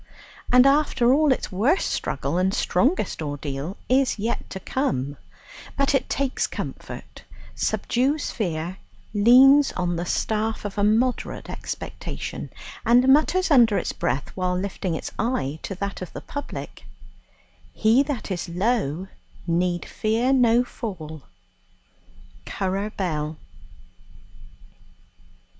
And after all, its worst struggle and strongest ordeal is yet to come but it takes comfort subdues fear leans on the staff of a moderate expectation and mutters under its breath, while lifting its eye to that of the public, "He that is low need fear no fall." CURRER BELL.